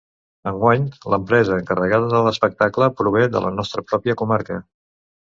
Enguany, l’empresa encarregada de l’espectacle prové de la nostra pròpia comarca.